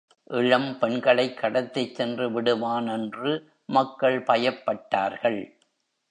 இளம் பெண்களைக் கடத்திச் சென்று விடுவான் என்று மக்கள் பயப்பட்டார்கள்.